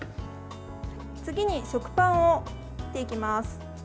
次に食パンを切っていきます。